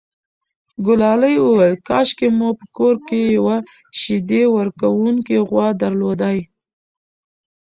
ګلالۍ وویل کاشکې مو په کور کې یوه شیدې ورکوونکې غوا درلودای.